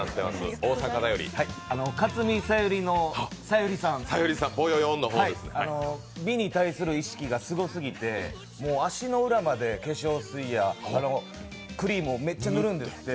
かつみ・さゆりのさゆりさん、美に対する意識がすごすぎて、足の裏まで化粧水やクリームをめっちゃ塗るんですって。